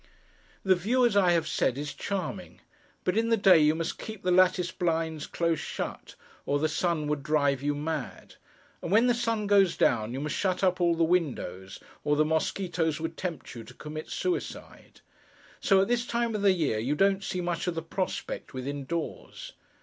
The view, as I have said, is charming; but in the day you must keep the lattice blinds close shut, or the sun would drive you mad; and when the sun goes down you must shut up all the windows, or the mosquitoes would tempt you to commit suicide. So at this time of the year, you don't see much of the prospect within doors.